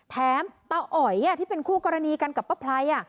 ตาอ๋อยที่เป็นคู่กรณีกันกับป้าไพร